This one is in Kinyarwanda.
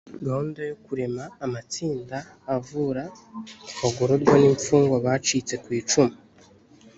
gahunda yo kurema amatsinda avura ku bagororwa n imfugwa bacitse ku icumu